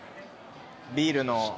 ビールの。